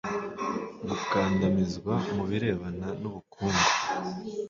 gukandamizwa mu birebana n ubukungu